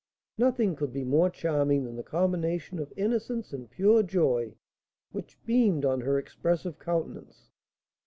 Nothing could be more charming than the combination of innocence and pure joy which beamed on her expressive countenance.